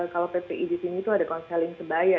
kalau ppi di sini tuh ada konseling sebaya